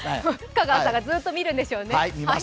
香川さんがずっと見るんでしょうね。